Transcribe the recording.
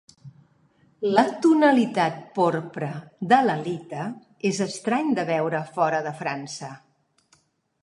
La tonalitat porpra de l'halita és estrany de veure fora de França.